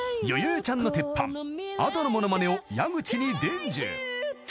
ちゃんの鉄板Ａｄｏのモノマネを矢口に伝授］